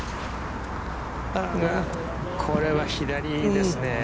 これは左ですね。